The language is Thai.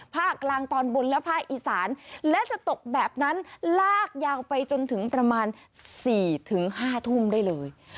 ภาคกลางตอนบนและภาคอีสานและจะตกแบบนั้นลากยาวไปจนถึงประมาณ๔๕ทุ่มได้เลย